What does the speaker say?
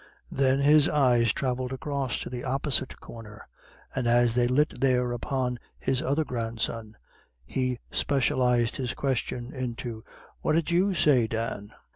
Then his eyes travelled across to the opposite corner, and as they lit there upon his other grandson, he specialised his question into, "What 'ud you say, Dan?"